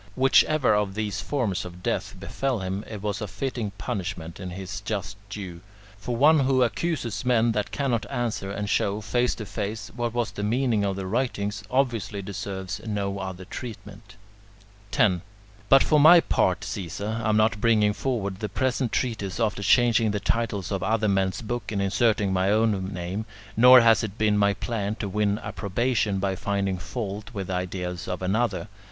Whichever of these forms of death befell him, it was a fitting punishment and his just due; for one who accuses men that cannot answer and show, face to face, what was the meaning of their writings, obviously deserves no other treatment. 10. But for my part, Caesar, I am not bringing forward the present treatise after changing the titles of other men's books and inserting my own name, nor has it been my plan to win approbation by finding fault with the ideas of another.